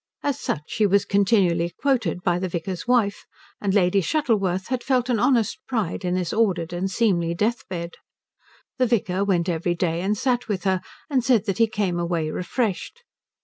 As such she was continually quoted by the vicar's wife, and Lady Shuttleworth had felt an honest pride in this ordered and seemly death bed. The vicar went every day and sat with her and said that he came away refreshed.